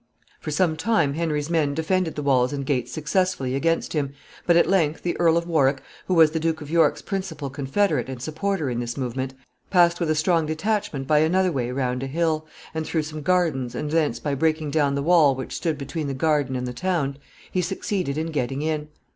For some time Henry's men defended the walls and gates successfully against him, but at length the Earl of Warwick, who was the Duke of York's principal confederate and supporter in this movement, passed with a strong detachment by another way round a hill, and through some gardens, and thence, by breaking down the wall which stood between the garden and the town, he succeeded in getting in.